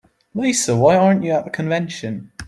Lisa, why aren't you at the convention?